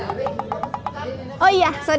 apa takut oh ya sorry sorry